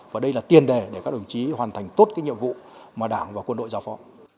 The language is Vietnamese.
và đây là tiền đề để các đồng chí hoàn thành tốt cái nhiệm vụ mà đảng và quân đội giao phó